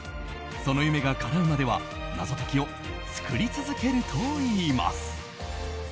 その夢がかなうまでは謎解きを作り続けるといいます。